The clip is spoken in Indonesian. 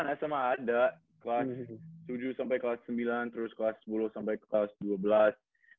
sebenarnya smp dan sma ada kelas tujuh sampai kelas sembilan terus kelas sepuluh sampai kelas dua belas